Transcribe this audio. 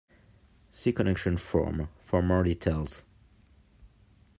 See connection form for more details.